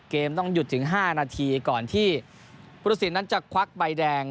ต้องหยุดถึง๕นาทีก่อนที่พุทธศิลปนั้นจะควักใบแดง